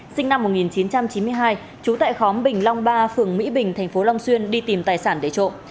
sinh năm một nghìn chín trăm chín mươi hai trú tại khóm bình long ba phường mỹ bình tp long xuyên đi tìm tài sản để trộm